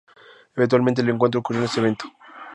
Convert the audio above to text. Eventualmente el encuentro ocurrió en este evento.